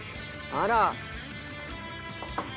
「あら！」